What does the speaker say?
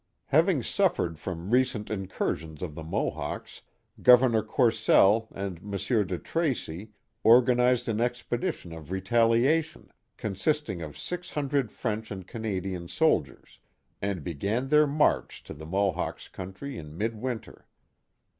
Having suffered from recent incursions of the Mohawks, Governor Courcelle and M. de Tracey organized an expedition of retaliation, consisting of six hundred French and Canadian soldiers, and began their march to the Mohawks' country in mid winter.